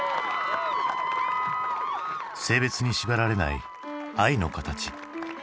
性別に縛られない愛の形。